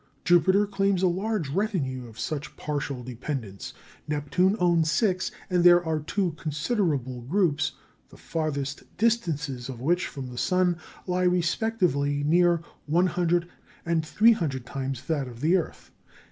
Jupiter claims a large retinue of such partial dependents, Neptune owns six, and there are two considerable groups, the farthest distances of which from the sun lie respectively near 100 and 300 times that of the earth.